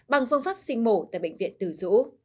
bằng phương pháp sinh mổ tại bệnh viện từ dũ